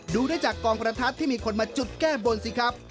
ดูได้จากกองประทัดที่มีคนมาจุดแก้บนสิครับ